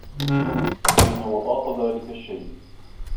أين وضعت ذلك الشّيء؟